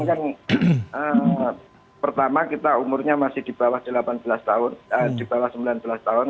saya kan pertama kita umurnya masih di bawah sembilan belas tahun